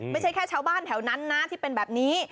ไม่ใช่แค่ชาวบ้านแถวนั้นนะที่เป็นแบบนี้